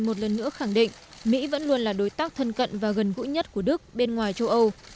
một lần nữa khẳng định mỹ vẫn luôn là đối tác thân cận và gần gũi nhất của đức bên ngoài châu âu